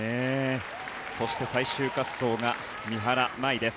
そして最終滑走が三原舞依です。